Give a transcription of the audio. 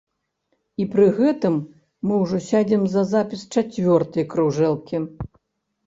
І пры гэтым мы ўжо сядаем за запіс чацвёртай кружэлкі.